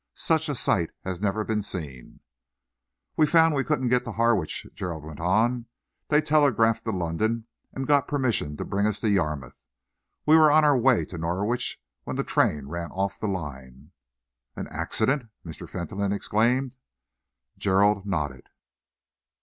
"Such a sight has never been seen." "We found we couldn't get to Harwich," Gerald went on. "They telegraphed to London and got permission to bring us to Yarmouth. We were on our way to Norwich, and the train ran off the line." "An accident?" Mr. Fentolin exclaimed. Gerald nodded.